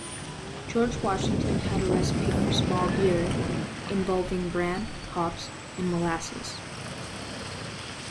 George Washington had a recipe for small beer involving bran, hops, and molasses.